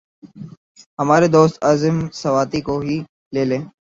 ہمارے دوست اعظم سواتی کو ہی لے لیں۔